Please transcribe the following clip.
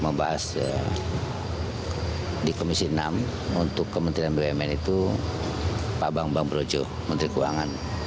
membahas di komisi enam untuk kementerian bumn itu pak bambang brojo menteri keuangan